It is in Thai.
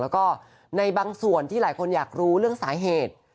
แล้วก็ในบางส่วนที่หลายคนอยากรู้เรื่องสาเหตุ